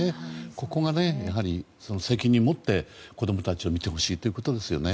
ここがやはり、責任を持って子供たちを見てほしいということですよね。